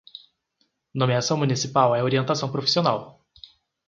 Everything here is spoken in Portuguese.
Nomeação municipal é orientação profissional